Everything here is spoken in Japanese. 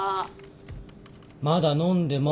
まだ飲んでます。